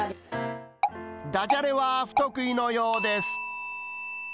ダジャレは不得意のようです。